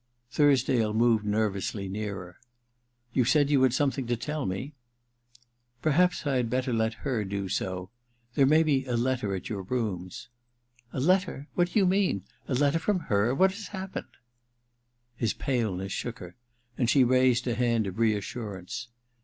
Thursdale moved nervously nearer. *You said you had something to tell me }'* Perhaps I had better let her do so. There may be a letter at your rooms.* * A letter ? What do you mean } A letter from her ? What has happened ?' His paleness shook her, and she raised a hand of reassurance.